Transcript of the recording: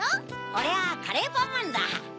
オレはカレーパンマンだ。